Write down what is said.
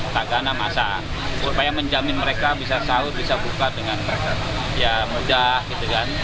tagana masak supaya menjamin mereka bisa sahur bisa buka dengan mudah